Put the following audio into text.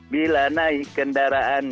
bila naik kendaraan